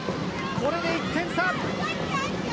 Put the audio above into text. これで１点差。